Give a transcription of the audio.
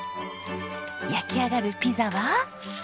焼き上がるピザは。